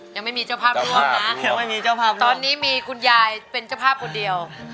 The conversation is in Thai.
ยังไม่มีเจ้าภาพรวมนะตอนนี้มีคุณยายเป็นเจ้าภาพคนเดียว